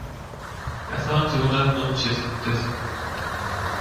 Casado en segundas nupcias y con tres hijos.